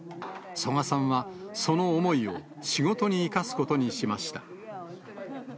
曽我さんは、その思いを仕事に生かすことにしました。